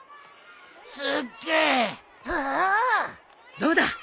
どうだ！